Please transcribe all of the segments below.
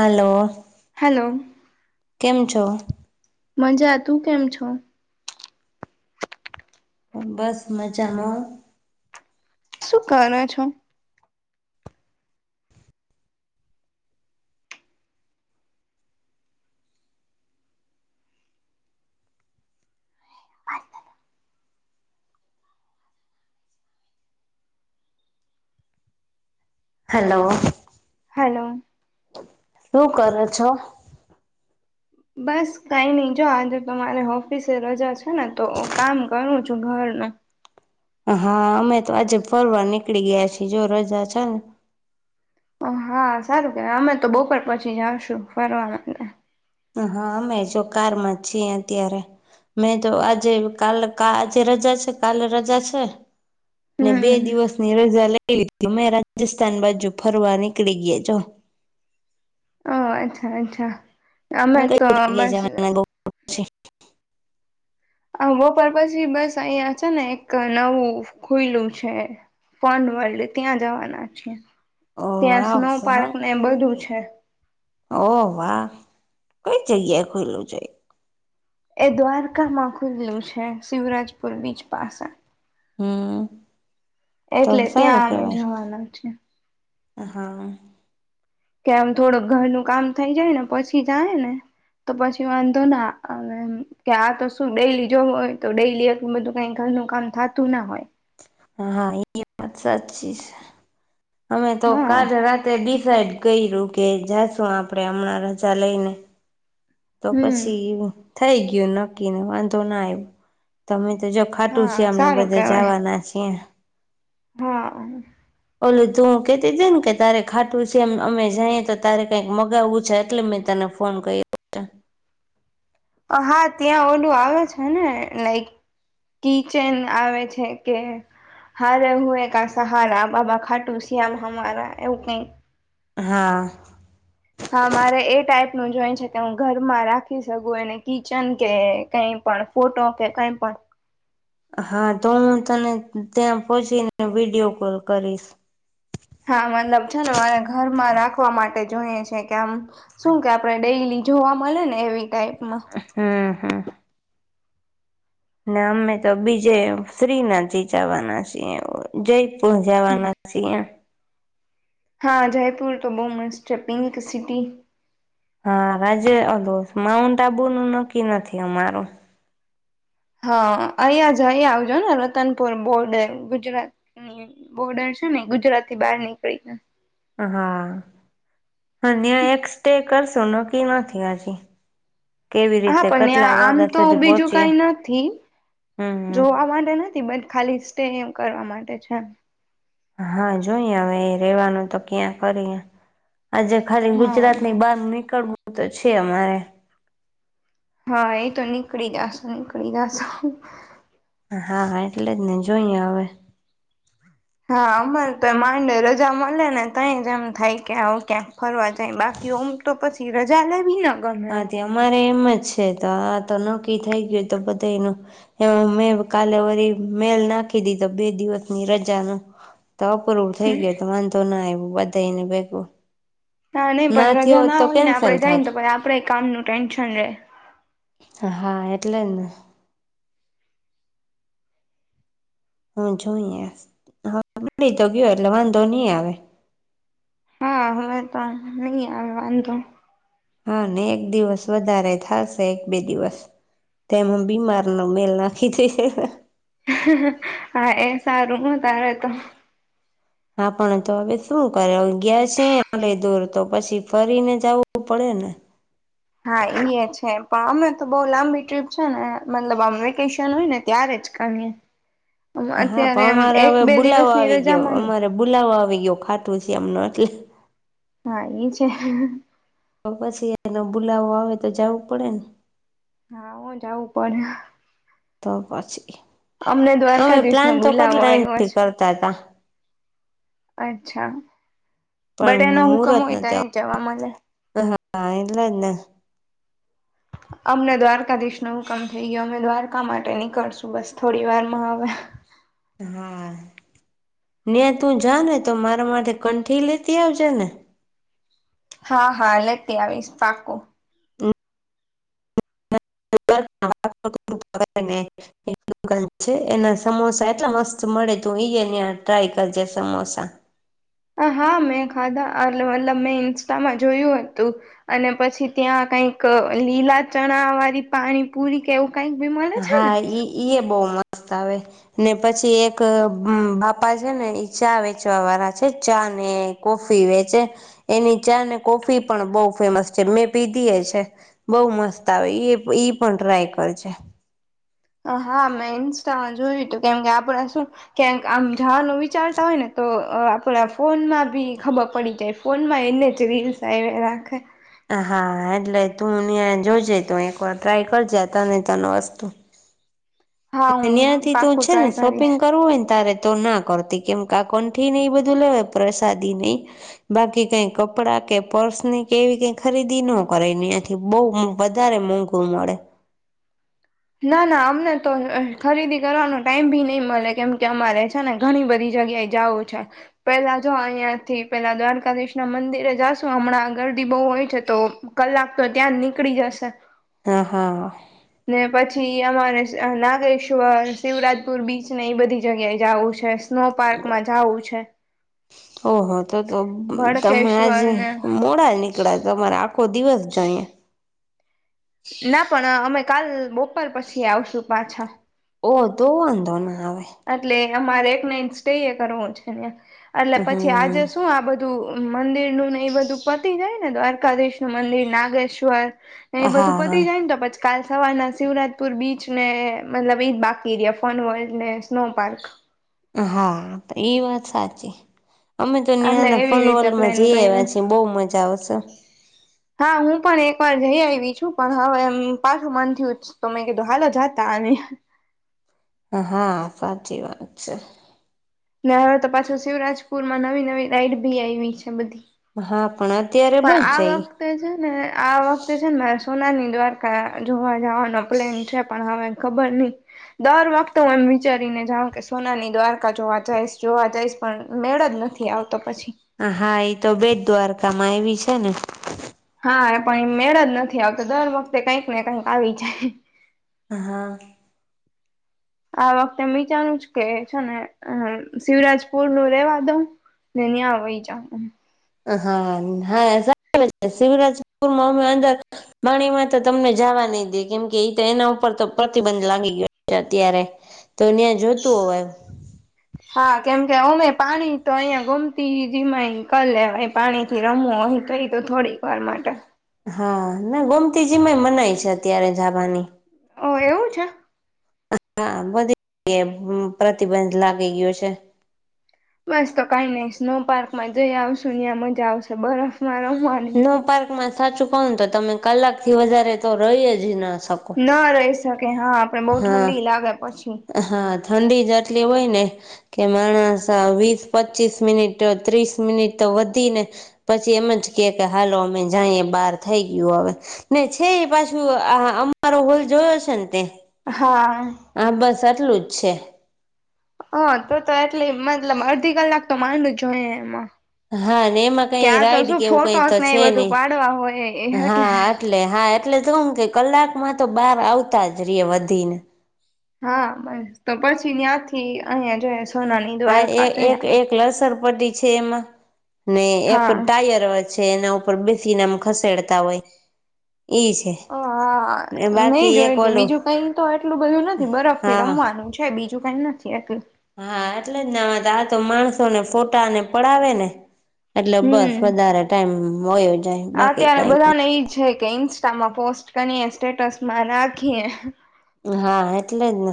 Hello hello કેમ છો? મજા તું કેમ છો? બસ મજામાં. શું કરો છો? હેલો. હલો. શું કરો છો? બસ કઈ નઈ જો આજે તમારે ઓફિસે રજા છે, ને તો કામ કરું છું ઘરનું [unintelligible] હા અમે તો આજે ફરવા નીકળી ગયા છીએ જો રજા છે ને હા સારું કેવાય અમે તો બપોર પછી જાશું ફરવા [inaudible] હા અમે જો કારમાં જ છીએ અત્યારે મેં તો આજે કાલ આજે રજા છે, કાલે રજા છે, ને બે હમ દિવસ નીરજા લઈ [unintelligible] અમે રાજસ્થાન બાજુ ફરવા નીકળી ગયા જો. હ અચ્છા-અચ્છા અમે તો બસ છે. આ બપોર પછી બસ અહિયા છે ને એક નવું ખૂયલું છે. ફન વલ્ડ ત્યાં જવાના છીયે. ઓ ત્યાં વાહ સ્નો પાર્કને એ બધું છે. ઓ વાહ કઈ જગ્યાએ ખૂયલું છે. એ દ્વારકામાં ખૂયલું છે, શિવરાજપુર બીચ પાસે હમ્મ. એટલે ત્યાં અમે જવાના છીએ. હા. કે આમ થોડુંક ઘરનું કામ થઈ જાય ને પછી જાય ને તો પછી વાંધો નાહ આવે એમ કે આ તો શું ડેઈલી જોવું હોય તો ડેઈલી એટલું બધું કઈ નું કંઠાતું ના હોય હા એ [inaudible] વાત સાચી છે, અમે તો હા કાલ રાતે ડિસાઇડ કયરૂ કે જાશું આપણેે હમણાં રજા લઈને તો હમ પછી થઈ ગયું નક્કીન વાંધો ના આવ્યો તમે તો જો ખાટું હા શ્યામ ને સારું બધા કેવાય જવાના છીએ હા. ઓલું તું કેતીતી ને કે તારે ખાટું શ્યામ અમે જઈએ તો તારે કઈક મગાવવું છે? એટલે મે તને ને ફોન કર્યો તને હા ત્યાં ઓલું આવે છે ને લાઈક કિચેન આવે છે કે હારે હું એ કા સહારા બાબા ખાટું શ્યામ હમારા એવું કઈક હા. હા મારે એ ટાઈપ નું જોય છે કે હું ઘરમાં રાખી શકું એને કિચન કે કઈ પણ ફોટો કે કઈ પણ. હા તો હું તને ત્યાં પહોંચીને વિડીયો કોલ કરીશ. હા મતલબ છે ને મારે ઘરમાં રાખવા માટે જોઈએ છે કે આમ શું કે આપણે ડેયલી જોવા મળે ને એવી ટાઈપ. હમ્મ હમ્મ. ને અમે તો બીજે શ્રીનાથી જવાના છીએ. જય પૂર જવાના છી. હા જયપુર તો બહુ મસ્ત છે પિંક સિટી. હા રાજે માઉન્ટઆબુ નું નક્કી નથી અમારું. હા અહિંયા જ અહિંયા આવજો ને રતનપુર બોર્ડર ગુજરાત બોર્ડર છે ને ગુજરાત થી બહાર નીકળીને. હા. હા ન્યાં એક સ્ટે કરશું નકી નથી હજી. કેવી હા રીતે પણ ન્યા કેટલા આમ વાગ્યા તો સુધી બીજું પહોંચીએ કઈ નથી. હમ જોવા માટે નથી બટ ખાલી સ્ટે એમ કરવા માટે છે એમ. હા જોઈએ હવે રેવાનું તો ક્યાં કરીએ. આજે ખાલી હા ગુજરાત ની બહાર નીકળવું તો છે અમારે. હા એ તો નીકળી જાશો નીકળી જાશો. હા એટલે જ ને જોઈએ હવે. હા અમારે તો એ માંડ રજા મળે ને તઈ જ એમ થાય કે આવું ક્યાં ફરવા જાય બાકી એમ તો પછી રજા લેવી ને હા તે અમારે એમજ છે તો આ તો નક્કી થઈ ગયું તો બધાયનું મેં કાલે વરી મેલ ના. નાખી દીધો બે દિવસની રજા નો. તો આપરું થઈ ગયુ તો વાંધો ના આવ્યો બધાયનુ ભેગું. હા નહી પણ થયો રજા હોત ના તો હોય ને કેન્સલ આપડે જાય ને થાત તો પછી આપડે ય કામ નુ ટેન્શન રે. હા એટલે જ ને. હું જોઈએ હવે મળી તો ગયો એટલે વાંધો નહી આવે. હા હવે તો નહી આવે વાંધો. હા ને એક દિવસ વધારે થશે એક-બે દિવસ તેમાં બીમારનો મેલ નાખી દેશે. હા એ સારું હો તારે તો. હા પણ તો હવે શું કરે ગયા છે આટલી દુર તો પછી ફરીને જ આવવું પડે ને. તેને [unintelligible] હા ઈએ છે પણ અમે તો બઉ લાંબી ટ્રીપ છે ને મતલબ આમ વેકેશન હોય ને ત્યારે આજકાલ ની. હા પણ અમારે હવે બુલાવો દિવસની આવી ગયો રજામાં નહી અમારે બુલાવો આવી ગયો. ખાટુશ્યામ નો એટલે હા એ છે. તો પછી એનો બુલાવો આવે તો જાવું પડે ને? હા હો જાવું પડે. તો પછી, અમને અમે દ્વારકાધીશ નો પ્લાન તો કેટલા બુલાવો આવ્યો ટાઈમથી છે કરતા તા. અચ્છા, બટ પણ એનો હુકમ મુહૂર્ત હોય નતો તયે જ જવા મળે. હા એટલે જ ને. અમને દ્વારકાધીશનો હુકમ થઈ ગયો, અમે દ્વારકા માટે નીકળશું બસ થોડી વારમાં હવે હા. ન્યા તું જાને તો મારા માટે કંઠી લેતી આવજેને હા, હા, લેતી આવીશ. પાક્કુ. [unintelligible] દુકાન છે, એના સમોસા એટલા મસ્ત મળે તું એ એના ટ્રાય કરજે સમોસા એ હા મેં ખાધા એટલે મતલબ મેં ઇન્સ્ટામાં જોયું હતું અને પછી ત્યાં કઈક લીલા ચણા વાળી પાણી પૂરી કે એવુ હા, ઈ એ બો મસ્ત આવે, ને પછી એક બાપા છ, ને ચા વેચવા વાળા છે. એ ચા ને કોફી વેચે, એની ચા ને કોફી પણ બો ફેમસ છે, મેં પીધી એ છે, બોવ મસ્ત આવે, એ ઈ પણ ટ્રાય કરજે હા, મેં ઇન્સ્ટામાં જોયુંતું, કેમકે આપડે શું ક્યાંક આમ જવાનું વિચારતા હોય, ને તો આપડા ફોનમાં બી ખબર પડી જાય. ફોનમાં એનાજ રીલ્સ આવ્યા રાખે. હા, એટલે તું ત્યાં જોજે તો, એક વાર ટ્રાય કરજે તને તન વસ્તુ હા હું ત્યાં થી તું પાકું છે, ને ટ્રાય કરીશ શોપિંગ કરવું હોય ને તારે તો ના કરતી કેમકે આ કોંઠીને બધું લેવાય, પ્રસાદી ને એ બાકી કઈ કપડા કે પર્સની કેવી કઈ ખરીદી ન કરાઈ ત્યાંથી, બો વધારે મોંઘું મળે ના ના અમને તો ખરીદી કરવાનો ટાઈમ ભી નઈ મળે કેમકે અમારે છે, ને ઘણી બધી જગ્યાએ જવું છે, પેલા જો અહિયાંથી પેલા દ્વારકાધીશના મંદિરે જાશું હમણાં આગળ ગિરદી બો હોય છે, તો કલાક તો ત્યાંજ નીકળી જશે હા હા. ને પછી અમારે નાગેશ્વર, શિવરાજપુર બીચને એ બધી જગ્યાએ જવું છે. સ્નો પાર્કમાં જાવું છે. ઓહ તો તો તમે આજ ભડકેશ્વર ને મોડા જ નીકળ્યા તમારે આખો દિવસ. ચઇએ. ના પણ અમે કાલ બપોર પછી આવશુ પાછા. ઓ તો વાંધો ના આવે. એટલે અમારે એક નાઈટ સ્ટે એ કરવું છે એટલે પછી હમ આજે શું આ બધું. મંદિર નું ને એ બધું પતી જાય, ને દ્વારકાધીશ નું મંદિર નાગેશ્વર. એ બધું હા પતી હા જાય ને તો પછ. કાલ સવારના શિવરાજપુર બીચ ને મતલબ એ જ બાકી રહ્યા ફોન વલ્ડ ને. Snow park. હા, એ વાત સાચી. અમે તો એટલે ન્યાંના એવી ફન રીતે વર્લ્ડ માં પ્લેન જઈ કર્યું. આવ્યા છીએ બોહ મજા આવશે. હા હું પણ એક. પણ જઈ આવી છું પણ હવે પાછું મન થયું તો મે કીધું કે હાલો જતા આવ્યે હા સાચી વાત છે. ને હવે તો પાછો શિવરાજપુર માં નવી નવી રાઈડ બી આવી છે બધી. હા પણ અત્યારે પણ બંધ આ છે ઈ વખતે છે, ને આ વખતે છે ને રાજ સોનાની દ્વારકા જોવા જવાનો પ્લેન છે, પણ હવે ખબર નહી દર વખત હુ એમ વિચારીને જાઉ કે સોનાની દ્વારકા જોવા જઈશ જોવા જઈશ પણ મેળ જ નથી આવ હા, એ તો બેટ દ્વારકામાં આવી છે, ને હા, પણ મેળ જ નથી આવતો દર વખતે કંઈક ને કઈક આવી જાય હા આ વખતે વિચારું નુ કે છે ને શિવરાજપુર નું રેવા દઉં. ને ન્યાં વ્યજાવું હા હા. શિવરાજપુરમાં અમે અંદર પાણીમાં તો તમને જવા નહી દેએ કેમ કે એ તો એના ઉપર તો પ્રતિબંધ લાગી ગયો છે, અત્યારે તો ત્યાં જોતું હોય એ હા કેમકે અમે પાણી તો અહિયાં ગમતી જમાંક લેવાય પાણી થી રમો અહી થયું થોડીક વાર માટે હા, ના ગોમતીજીમાંય મનાય છે, અત્યારે જાબાની ઓ એવું છે. હા બધી પ્રતિબંધ લાગી ગયો છે. બસ તો કઈ નહી સ્નો પાર્કમાં જઈ આવશું ત્યાં મજા આવશે બરોબર. સ્મારા પાલી સ્નો પાર્કમાં સાચું કોણ તો તમે કલાક થી વધારે તો રહી જ ના શકો ના રહી શકે હા આપડ બહુ હા ઠંડી લાગે પછી હા ઠંડી જ આટલી હોય ને કે માણસ વીસ પચીસ મિનિટ ત્રીસ મિનિટ તો વધી ને પછી એમ જ કે કે હાલો અમે જાય બહાર થઈ ગયું હવે ને છે પાછું અમારો હોલ જોયો છે ને તે હા હા બસ આટલું જ છે હ તું તો એટલી મતલબ અડધી કલાક તો માંડ જો હોય એમાં હા એમાં કઈ ક્યાં તો રાઈડ શું કેવું કઈ તો ફોટોસ ને એ છે બધું નહી પાડવા હોય એ હા એટલે હા એ એટલે તોું કે કલાકમાં તો બહાર આવતા જ ર વધીને હા બસ તો પછી ત્યાંથી અહિયાંયા જોઈ હા એક એક એક લસણ પટ્ટી છે એમાં ને એક હા ટાયર છે એના ઉપર બેસીી નામ ખસેડતા હોય ઈ છે હ હા નહી બાકી જોય એક તું ઓલું બીજું કઈ તો એટલું બધું નથી બરફ થી હા રમવાનું છે બીજું કઈ નથી એટલું હા એટલે જ ના આ તો માણસોને ફોટાને પડાવે ને એટલે બસ હમ વધારે ટાઈમ હોયો જાય બાકી અત્યારે કઈ બધાને એજ છે કે ઇન્સ્ટામાં પોસ્ટ કરી સ્ટેટસ માં રાખી હા એટલે જ ને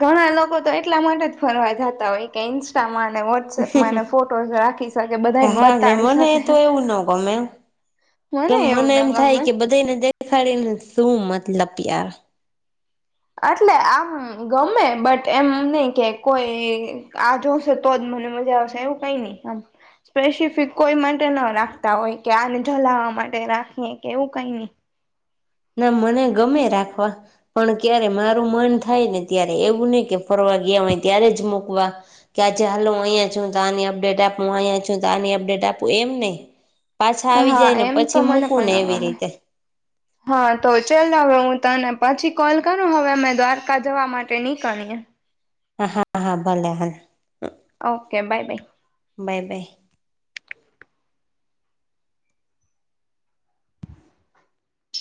ઘણા લોકો તો એટલા માટે જ ફરવા જતા હોય કે ઇન્સ્ટામાન વોટ્સએપ માં ફોટો રાખી શકે બધાને હા ને બતાડી મને શકે તો એવું ન ગમે કેમ એવું મને એમ ન થાય ગમે કે બધાને દેખાડીને શું મતલબ્યાર એટલે આમ ગમે બટ એમ નઈ કે કોઈ આ જોશે તો જ મને મજા આવશેવું કઈ નહી આમ સ્પેસિફિક કોઈ માટે ન રાખતા હોય કે આને જલાવા માટે રાખીએ કે એવું કઈ નહી [inaudible] ના મને ગમે રાખવા પણ ક્યારે મારું મન થાય ને ત્યારે એવું નયી કે ફર ગયા હોય ત્યારે જ મકવા કે આજે હાલ અહીંયા છું તો આની અપડેટ આપ અહીંયા છું તો આની અડેટ આપું એમ નહી પાછા આવી હા જાય ને એમ તો પછી મને મૂકું ને પણ ન એવી ગમે રીતે હા તો ચલ હવે હું તને પછી કોલ કરું હવે અમે દ્વારકા જવા માટે નીકળએ હા હા ભોલે હ ઓકે બાય બાય બાય બાાય